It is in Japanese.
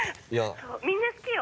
☎みんな好きよ。